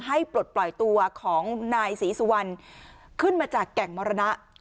ปลดปล่อยตัวของนายศรีสุวรรณขึ้นมาจากแก่งมรณะ